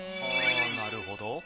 なるほど。